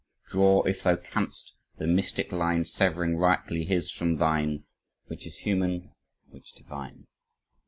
"Draw if thou canst the mystic line severing rightly his from thine, which is human, which divine."